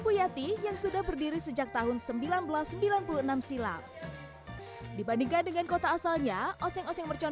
puyati yang sudah berdiri sejak tahun seribu sembilan ratus sembilan puluh enam silam dibandingkan dengan kota asalnya oseng oseng mercon